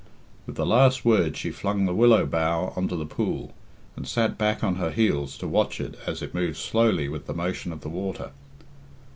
With the last word she flung the willow bough on to the pool, and sat back on her heels to watch it as it moved slowly with the motion of the water.